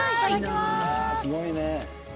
すごいね。